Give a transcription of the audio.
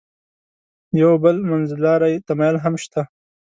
یو بل منځلاری تمایل هم شته.